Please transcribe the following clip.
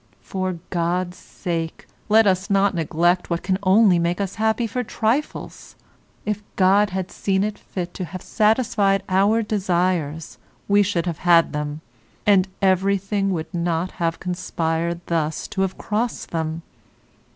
For God's sake let us not neglect what can only make us happy for trifles. If God had seen it fit to have satisfied our desires we should have had them, and everything would not have conspired thus to have crossed them.